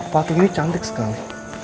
patung ini cantik sekali